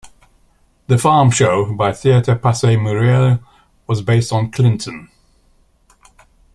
"The Farm Show" by Theatre Passe Muraille was based on Clinton.